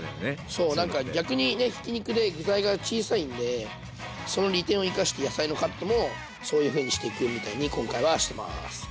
そう何か逆にねひき肉で具材が小さいんでその利点を生かして野菜のカットもそういうふうにしていくみたいに今回はしてます。